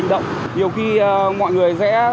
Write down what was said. nhiều khi mọi người sẽ